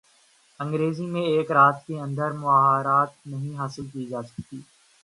انگریزی میں ایک رات کے اندر مہارت نہیں حاصل کی جا سکتی